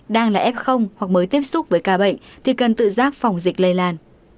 đang lại ép không hoặc mới tiếp xúc với ca bệnh thì cần tự giác phòng dịch lây lan